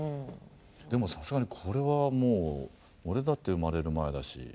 でもさすがにこれはもう俺だって生まれる前だしねえ。